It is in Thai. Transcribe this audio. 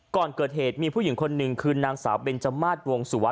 ก่อนเกิดเหตุมีผู้หญิงคนหนึ่งคือนางสาวเบนจมาสวงสุวัส